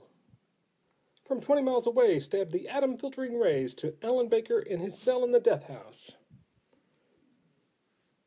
_] From twenty miles away stabbed the "atom filtering" rays to Allen Baker in his cell in the death house.